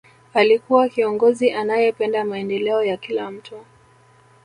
alikuwa kiongozi anayependa maendeleo ya kila mtu